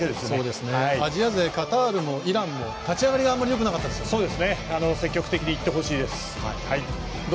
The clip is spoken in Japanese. アジア勢、カタールもイランも立ち上がりが積極的にいってほしいです。